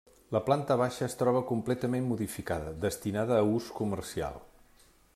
La planta baixa es troba completament modificada, destinada a ús comercial.